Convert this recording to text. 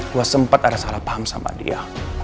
gue sempat ada salah paham sama dia